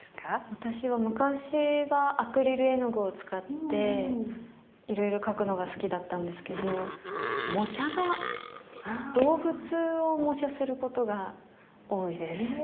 私は昔はアクリル絵の具を使って色々描くのが好きだったんですけど模写が動物を模写することが多いです。